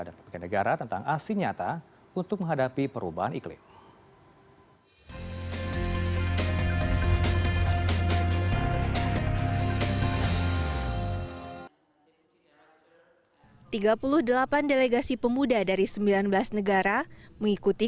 dan pemegang negara tentang asli nyata untuk menghadapi perubahan iklim